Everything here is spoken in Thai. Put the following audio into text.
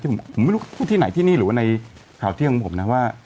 ซึ่งผมไม่รู้พูดที่ไหนที่นี่หรือว่าในข่าวเที่ยงของผมนะว่า